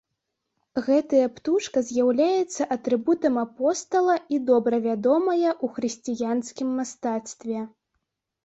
Гэтая птушка з'яўляецца атрыбутам апостала і добра вядомая ў хрысціянскім мастацтве.